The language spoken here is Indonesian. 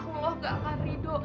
bu allah tidak akan rido